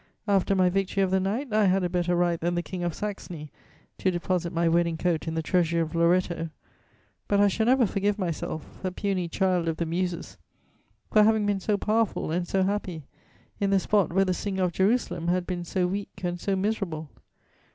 After my victory of the night, I had a better right than the King of Saxony to deposit my wedding coat in the Treasury of Loretto; but I shall never forgive myself, a puny child of the Muses, for having been so powerful and so happy in the spot where the singer of Jerusalem had been so weak and so miserable!